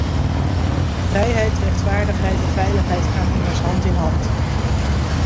Vrijheid, rechtvaardigheid en veiligheid gaan immers hand in hand.